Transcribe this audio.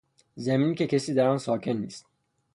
زمین که کسی در آن ساکن نیست